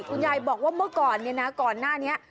คุณยายบอกว่าเมื่อก่อนเนี่ยนะก่อนหน้านี้